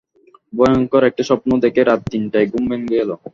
ভয়ংকর একটা স্বপ্ন দেখে রাত তিনটায় ঘুম ভেঙে গেল।